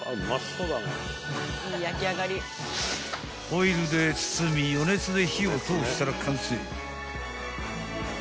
［ホイルで包み余熱で火を通したら完成］